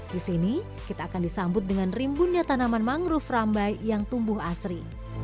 di sini kita akan disambut dengan rimbunnya tanaman mangrove rambai yang tumbuh asri